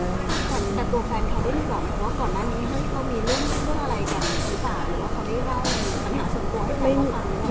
หรือว่าตัวแฟนเขาได้รู้กันว่าก่อนหน้านี้